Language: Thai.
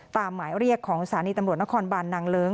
หมายเรียกของสถานีตำรวจนครบานนางเลิ้ง